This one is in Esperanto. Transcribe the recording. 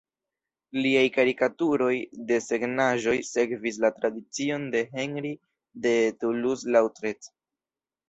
Liaj karikaturoj, desegnaĵoj sekvis la tradicion de Henri de Toulouse-Lautrec.